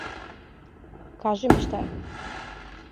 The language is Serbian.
Кажи ми шта је.